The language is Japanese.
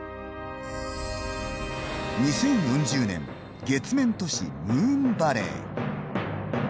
２０４０年月面都市ムーンバレー。